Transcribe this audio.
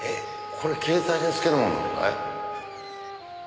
これ携帯につけるものなのかい？